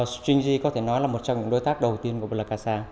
stringy có thể nói là một trong những đối tác đầu tiên của plakasa